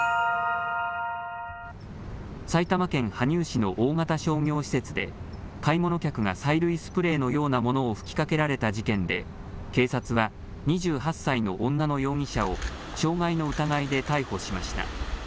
埼玉県羽生市の大型商業施設で買い物客が催涙スプレーのようなものを吹きかけられた事件で警察は２８歳の女の容疑者を傷害の疑いで逮捕しました。